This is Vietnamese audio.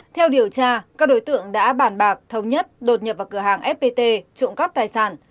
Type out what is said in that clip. theo điều tra các đối tượng đã bản bạc thống nhất đột nhập vào cửa hàng fpt trộm cắp tài sản